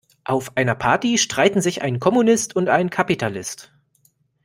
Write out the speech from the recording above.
Auf einer Party streiten sich ein Kommunist und ein Kapitalist.